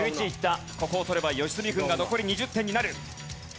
ここを取れば良純軍が残り２０点になる。